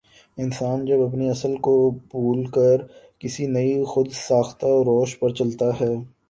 انسان جب اپنی اصل کو بھول کر کسی نئی خو د ساختہ روش پرچلتا ہے